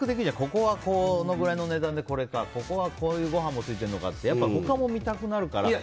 ここはこのぐらいの値段でこれかここは、こういうごはんもついてるのかってやっぱり他も見たくなるから。